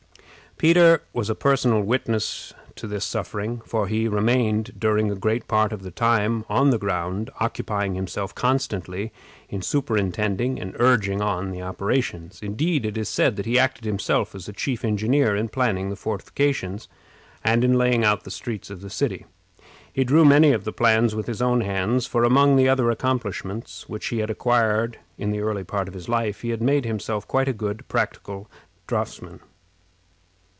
Peter was a personal witness of this suffering, for he remained, during a great part of the time, on the ground, occupying himself constantly in superintending and urging on the operations. Indeed, it is said that he acted himself as chief engineer in planning the fortifications, and in laying out the streets of the city. He drew many of the plans with his own hands; for, among the other accomplishments which he had acquired in the early part of his life, he had made himself quite a good practical draughtsman.